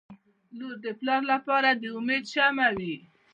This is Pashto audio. • لور د پلار لپاره د امید شمعه وي.